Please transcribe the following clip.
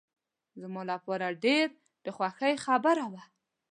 زما لپاره ډېر د خوښۍ خبره وه.